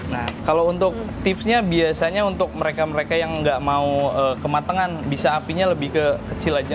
nah kalau untuk tipsnya biasanya untuk mereka mereka yang nggak mau kematangan bisa apinya lebih ke kecil aja